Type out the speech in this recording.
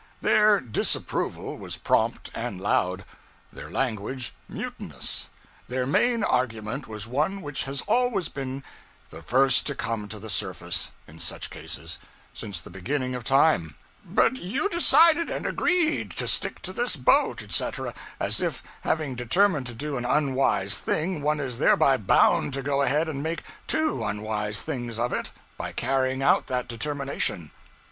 Their disapproval was prompt and loud; their language mutinous. Their main argument was one which has always been the first to come to the surface, in such cases, since the beginning of time: 'But you decided and _agreed _to stick to this boat, etc.; as if, having determined to do an unwise thing, one is thereby bound to go ahead and make _two _unwise things of it, by carrying out that determination.